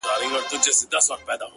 د دوى دا هيله ده چي ـ